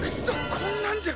こんなんじゃ。